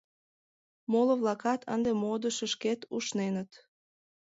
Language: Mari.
Моло-влакат ынде модышышкет ушненыт.